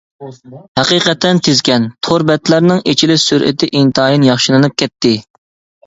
ھەقىقەتەن تىزكەن، تور بەتلەرنىڭ ئىچىلىش سۈرئىتى ئىنتايىن ياخشىلىنىپ كەتتى.